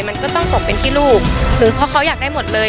มันก็ต้องตกเป็นที่ลูกหรือเพราะเขาอยากได้หมดเลย